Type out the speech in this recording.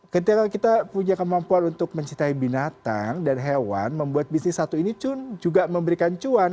ketika kita punya kemampuan untuk mencintai binatang dan hewan membuat bisnis satu ini juga memberikan cuan